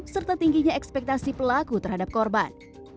serta tingginya ekspektasi pelaku terhadap korban